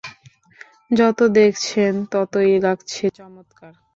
যত দেখছেন ততই লাগছে চমৎকার।